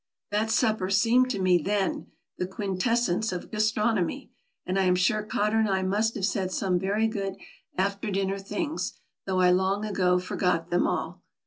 That supper seemed to me then the quint essence of gastronomy, and I am sure Cotter and I must have said some very good after dinner things, though I long ago forgot them all.